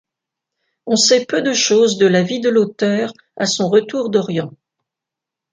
On sait peu de chose de la vie de l'auteur à son retour d'Orient.